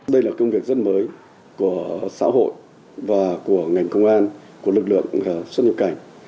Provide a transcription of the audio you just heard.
đây là công việc rất mới của xã hội và của ngành công an của lực lượng xuất nhập cảnh